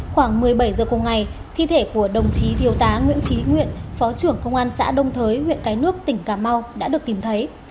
khoảng một mươi bảy h cùng ngày thi thể của đồng chí thiếu tá nguyễn trí nguyện phó trưởng công an xã đông thới huyện cái nước tỉnh cà mau đã được tìm thấy